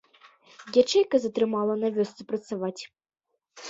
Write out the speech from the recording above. Ячэйка затрымала на вёсцы працаваць.